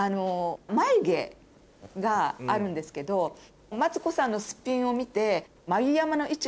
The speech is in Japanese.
眉毛があるんですけどマツコさんのすっぴんを見て。